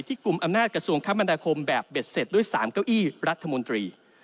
กลุ่มอำนาจกระทรวงคมนาคมแบบเบ็ดเสร็จด้วย๓เก้าอี้รัฐมนตรี